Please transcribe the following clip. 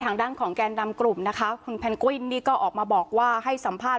ทางด้านของแกนนำกลุ่มนะคะคุณแพนกวินนี่ก็ออกมาบอกว่าให้สัมภาษณ